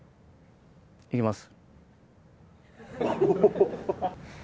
いきます。